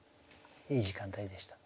いい時間帯でした。